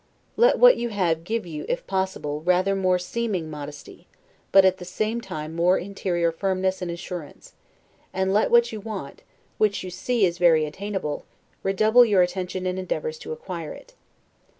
Let what you have give you (if possible) rather more SEEMING modesty, but at the same time more interior firmness and assurance; and let what you want, which you see is very attainable, redouble your attention and endeavors to acquire it.